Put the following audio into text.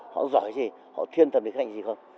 họ giỏi gì họ thiên thần thì khả năng gì không